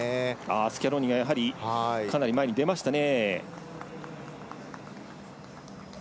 スキャローニがかなり前に出ましたね。